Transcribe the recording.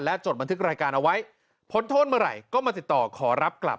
จดบันทึกรายการเอาไว้พ้นโทษเมื่อไหร่ก็มาติดต่อขอรับกลับ